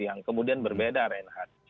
yang kemudian berbeda reinhardt